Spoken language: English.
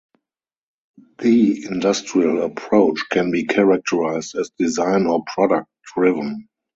The industrial approach can be characterized as "design" or "product" driven.